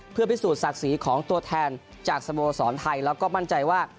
เพื่อพิสูจนศักดิ์ศรีของตัวแทนจากสโมสรไทยแล้วก็มั่นใจว่า